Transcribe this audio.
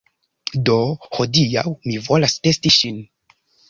Do, hodiaŭ mi volas testi ŝin